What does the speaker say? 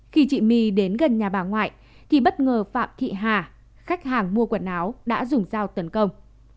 khi chị my đến gần nhà bà ngoại thì bất ngờ phạm thị hà khách hàng mua quần áo đã dùng dao tấn công